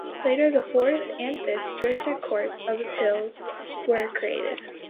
Later, the Fourth and Fifth District Courts of Appeal were created.